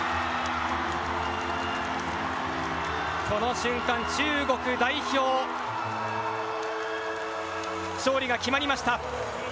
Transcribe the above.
この瞬間、中国代表勝利が決まりました。